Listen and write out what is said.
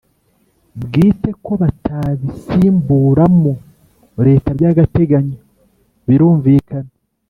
bwite ko batabisimburamo Leta by agateganyo Birumvikana